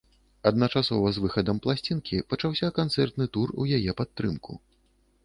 Адначасова з выхадам пласцінкі пачаўся канцэртны тур у яе падтрымку.